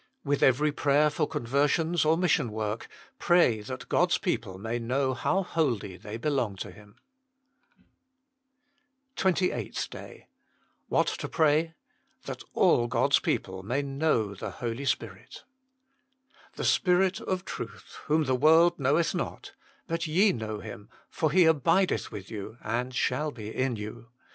With every prayer for conversions or mission work, pray that God s people may know how wholly they belong to Him. SPECIAL PETIT10XS WITHOUT CEASING TWENTY EIGHTH DAY WHAT TO PRAY. tlhat all (Bou a people ntajr hnoio the Spirit "The Spirit of truth, whom the world knoweth not; but ye know Him ; for He abideth with you, and shall be in you.